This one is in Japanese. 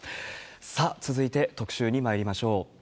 さあ、続いて特集にまいりましょう。